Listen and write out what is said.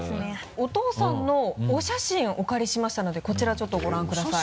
お父さんのお写真お借りしましたのでこちらちょっとご覧ください。